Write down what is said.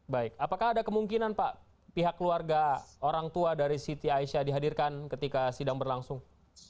baik apakah ada kemungkinan pak pihak keluarga orang tua dari siti aisyah dihadirkan ketika sidang berlangsung